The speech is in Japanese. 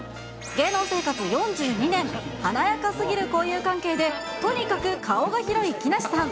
芸能生活４２年、華やかすぎる交友関係で、とにかく顔が広い木梨さん。